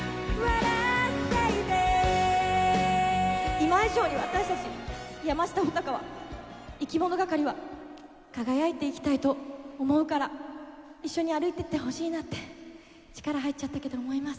今以上に、私たち、山下穂尊は、いきものがかりは、輝いていきたいと思うから、一緒に歩いていってほしいなって、力入っちゃったけど思います。